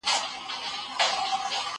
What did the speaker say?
زه له سهاره شګه پاکوم،